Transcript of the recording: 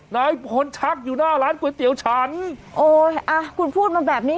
นายพลชักอยู่หน้าร้านก๋วยเตี๋ยวฉันโอ้ยอ่ะคุณพูดมาแบบนี้